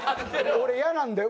俺嫌なんだよ。